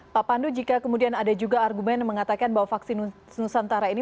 pak pandu jika kemudian ada juga argumen yang mengatakan bahwa vaksin nusantara ini